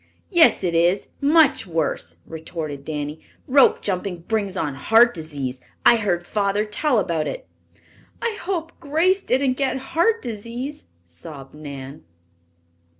"Yes, it is, much worse," retorted Danny. "Rope jumping brings on heart disease. I heard father tell about it." "I hope Grace didn't get heart disease," sobbed Nan.